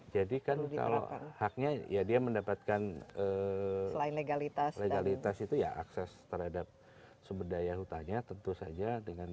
jadi kan kalau haknya ya dia mendapatkan legalitas itu ya akses terhadap sumber daya hutanya tentu saja